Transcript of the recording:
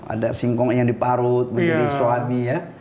ada singkong yang diparut menjadi suami ya